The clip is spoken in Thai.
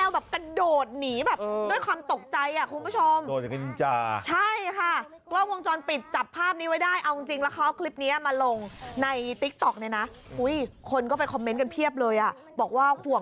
บอกแล้วมันน่ากลัวมาก